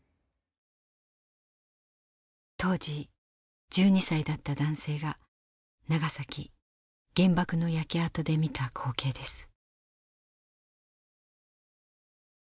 当時１２歳だった男性が長崎原爆の焼け跡で見た光景です。